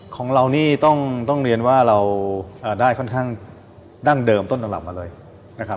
ของเรานี่ต้องเรียนว่าเราได้ค่อนข้างดั้งเดิมต้นตำรับมาเลยนะครับ